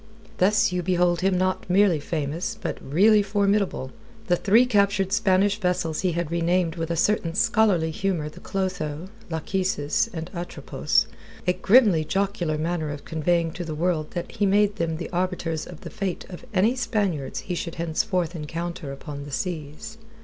Thus you behold him not merely famous, but really formidable. The three captured Spanish vessels he had renamed with a certain scholarly humour the Clotho, Lachesis, and Atropos, a grimly jocular manner of conveying to the world that he made them the arbiters of the fate of any Spaniards he should henceforth encounter upon the seas.